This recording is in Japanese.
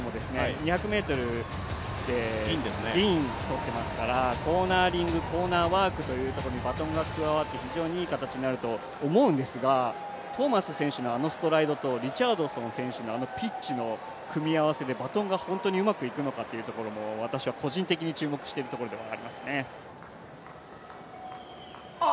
２００ｍで銀を取ってますからコーナリングコーナーワークにバトンが加わって非常にいい形になると思うんですが、トーマス選手のあのストライドとリチャードソン選手のあのピッチの組み合わせでバトンが本当にうまくいくのか個人的に注目しているところです。